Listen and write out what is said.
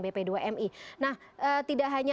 bp dua mi nah tidak hanya